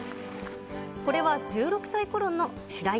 これは１６歳頃の白井。